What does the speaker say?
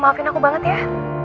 maafin aku banget ya